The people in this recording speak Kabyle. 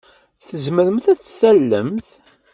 Tzemremt ad d-tallemt.